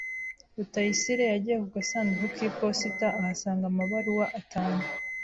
Rutayisire yagiye ku gasanduku k'iposita ahasanga amabaruwa atanu.